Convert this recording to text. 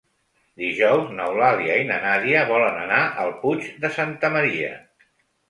Dijous n'Eulàlia i na Nàdia volen anar al Puig de Santa Maria.